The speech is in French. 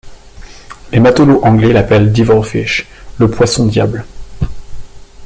Les matelots anglais l’appellent Devil-Fish, le Poisson-Diable.